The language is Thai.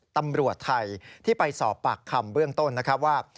ตำรวจไทยที่ไปสอบปากคำเบื้องต้นนะครับว่า